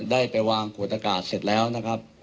ได้ไปวางขวดอากาศเสร็จแล้วนะครับ